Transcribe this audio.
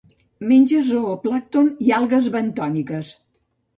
Menja zooplàncton i algues bentòniques.